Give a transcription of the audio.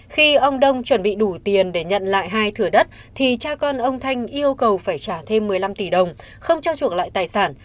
khi ông đông chuẩn bị đủ tiền để nhận lại hai thửa đất thì cha con ông thanh yêu cầu phải trả thêm một mươi năm tỷ đồng không cho chuộng lại tài sản